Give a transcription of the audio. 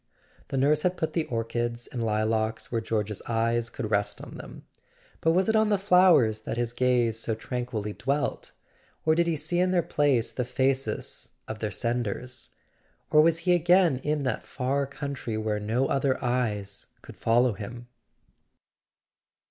The nurse had put the orchids and lilacs where George's eyes could rest on them. But was it on the flowers that his gaze so tranquilly dwelt? Or did he see in their place the faces of their senders ? Or was he again in that far coun¬ try whither no other eyes could follow him?